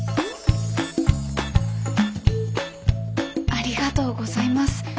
ありがとうございます。